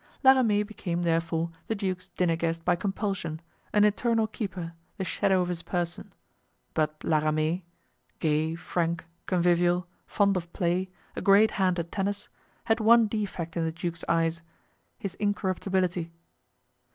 La Ramee became, therefore, the duke's dinner guest by compulsion—an eternal keeper, the shadow of his person; but La Ramee—gay, frank, convivial, fond of play, a great hand at tennis, had one defect in the duke's eyes—his incorruptibility.